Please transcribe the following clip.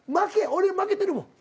俺負けてるもん。